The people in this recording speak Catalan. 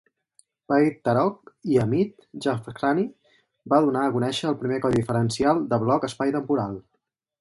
Vahid Tarokh i Hamid Jafarkhani van donar a conèixer el primer codi diferencial de bloc espai-temporal.